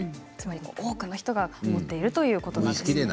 つまり多くの人が持っているということなんです。